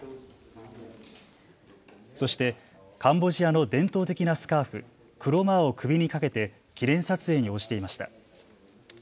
そしてカンボジアの伝統的なスカーフ、クロマーを首にかけて記念撮影に応じていました。